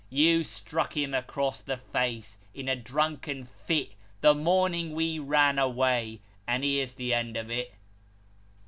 You struck him across the face, in a drunken fit, the morning we ran away ; and here's the end of it."